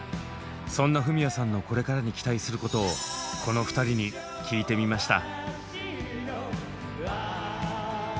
そんなフミヤさんのこれからに期待することをこの２人に聞いてみました。